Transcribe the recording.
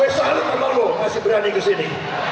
gue saling sama lo masih berani ke sini